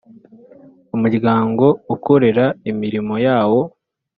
Umuryango ukorera imirimo yawo